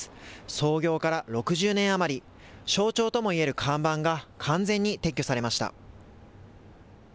創業から６０年余り、象徴ともいえる看板が完全に撤去されました。